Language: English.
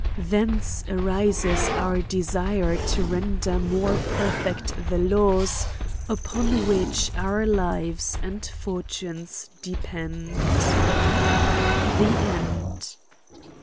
Thence arises our desiae to render more perfect the laws upon which our lives and fortunes depend, TEE EJ^D.